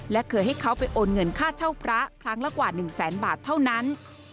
และเคยให้เขาไปโอนเงินค่าเช่าพระครั้งละกว่า๑แสนบาทเท่านั้น